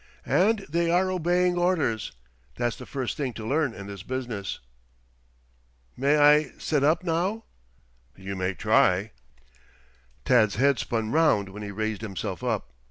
"And they are obeying orders. That's the first thing to learn in this business." "May I sit up now?" "You may try." Tad's head spun round when he raised himself up.